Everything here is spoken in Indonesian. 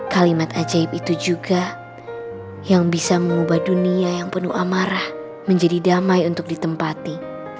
kalimat ajaib itu juga yang bisa mengubah dunia yang penuh amarah menjadi damai untuk ditempati